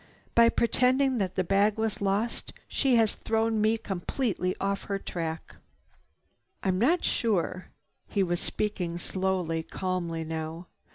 By pretending that the bag was lost she has thrown me completely off her track. "I was not sure—" He was speaking slowly, calmly now.